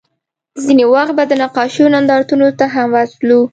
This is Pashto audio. ځینې وخت به د نقاشیو نندارتونونو ته هم ورتلو